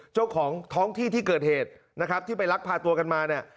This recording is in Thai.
เจ้าของท้องที่ที่เกิดเหตุนะครับที่ไปลักพาตัวกันมาเนี่ย